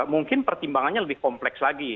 mungkin pertimbangannya lebih kompleks lagi